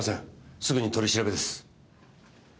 すぐに取り調べです。